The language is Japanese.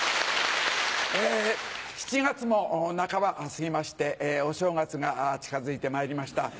７月も半ば過ぎましてお正月が近づいてまいりました。